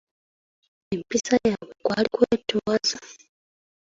Empisa yaabwe kwali kwetoowaza.